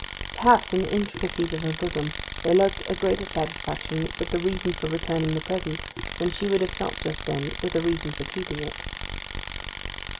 Perhaps, in the intricacies of her bosom, there lurked a greater satisfaction with the reason for returning the present than she would have felt just then with a reason for keeping it.